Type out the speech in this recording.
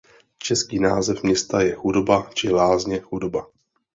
Český název města je Chudoba či Lázně Chudoba.